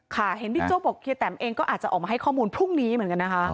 ค่ะเห็นบิ๊กโจ๊กบอกเฮียแตมเองก็อาจจะออกมาให้ข้อมูลพรุ่งนี้เหมือนกันนะคะ